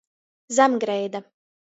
Zamgreida.